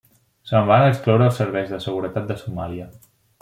Se'n van excloure els serveis de seguretat de Somàlia.